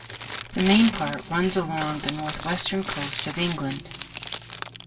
The main part runs along the northwestern coast of England.